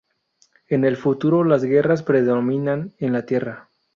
En el futuro, las guerras predominan en la Tierra.